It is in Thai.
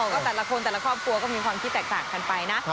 ก็แต่ละคนแต่ละครอบครัวก็มีความคิดแตกต่างกันไปนะ